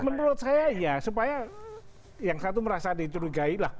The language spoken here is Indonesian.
menurut saya ya supaya yang satu merasa dicurigai lah